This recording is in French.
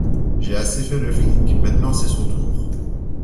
J’ai assez fait le flic, maintenant c’est son tour